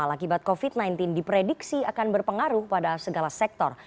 pandemi covid sembilan belas akan membuat masyarakat berpengaruh pada sektor sektor